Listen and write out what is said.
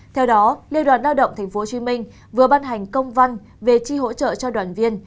theo đó liên đoàn lao động tp hcm vừa ban hành công văn về chi hỗ trợ cho đoàn viên